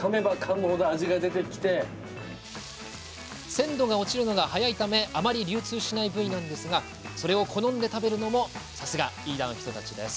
鮮度が落ちるのが早いためあまり流通しない部位なんですがそれを好んで食べるのもさすが飯田の人たちです。